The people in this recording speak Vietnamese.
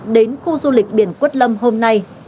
đến khu du lịch biển quất lâm hôm nay